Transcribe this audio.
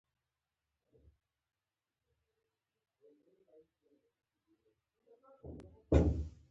وریجې په اوبو کې کرل کیږي